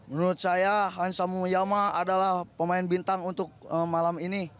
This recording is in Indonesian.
menurut saya hansa muyama adalah pemain bintang untuk malam ini